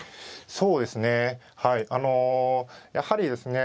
そうですねはいあのやはりですね